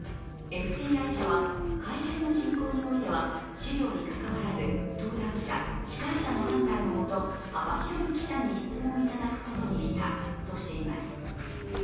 ＦＴＩ社は会見の進行においては資料にかかわらず登壇者、司会者の判断のもと幅広い記者に質問いただくことにしたとしています。